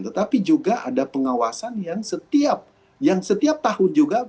tetapi juga ada pengawasan yang setiap tahun juga